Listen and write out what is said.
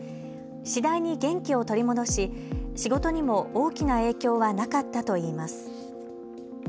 次第に元気を取り戻し仕事にも大きな影響はなかったといいます。